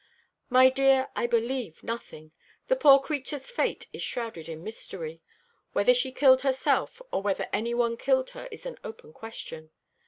"My dear, I believe nothing. The poor creature's fate is shrouded in mystery. Whether she killed herself or whether any one killed her is an open question.